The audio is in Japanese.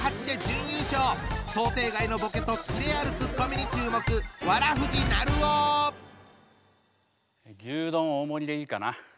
想定外のボケと切れあるツッコミに注目牛丼大盛りでいいかな。